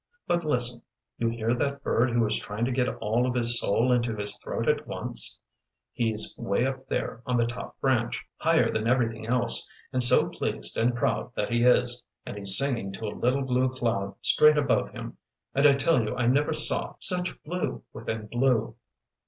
But listen. You hear that bird who is trying to get all of his soul into his throat at once? He's 'way up there on the top branch, higher than everything else, and so pleased and proud that he is, and he's singing to a little blue cloud straight above him, and I tell you I never saw such blue such blue within blue.